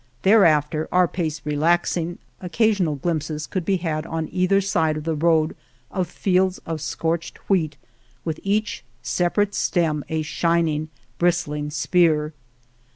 Thereafter, our pace relaxing, occa sional glimpses could be had on either side of the road of fields of scorched wheat with each separate stem a shining, bristling spear.